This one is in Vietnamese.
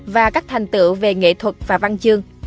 và các thành tựu về nghệ thuật và văn chương